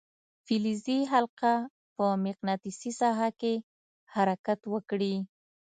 فلزي حلقه په مقناطیسي ساحه کې حرکت وکړي.